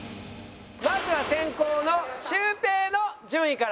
まずは先攻のシュウペイの順位から。